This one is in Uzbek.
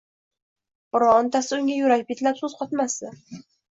Birontasi unga yurak betlab so‘z qotmasdi